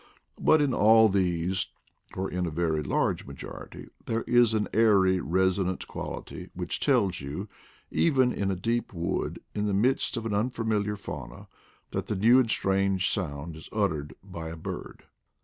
But in all these, or in a very large majority, there is an airy resonant quality which tells you, even in a deep wood, in the midst of an unfamiliar fauna, that the new and strange sound is uttered by a bird.